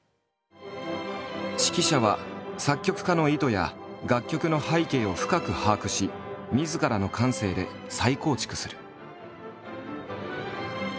指揮者は作曲家の意図や楽曲の背景を深く把握しみずからの感性で再構築する。